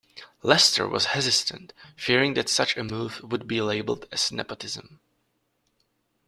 Lester was hesitant, fearing that such a move would be labeled as nepotism.